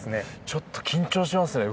ちょっと緊張しますね。